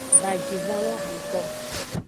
Bajivon lo hwenko.